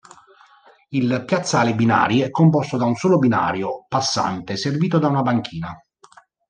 Il piazzale binari è composto da un solo binario passante, servito da una banchina.